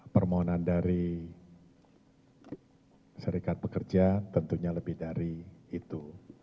permohonan dari serikat pekerja tentunya lebih dari itu